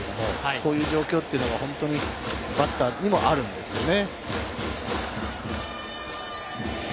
そういう状況というのがバッターにもあるんですよね。